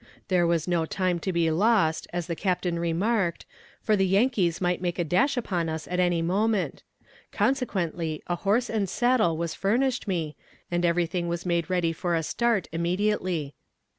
There was no time to be lost, as the captain remarked, for the Yankees might make a dash upon us at any moment; consequently a horse and saddle was furnished me, and everything was made ready for a start immediately.